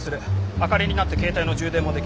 明かりになって携帯の充電もできる。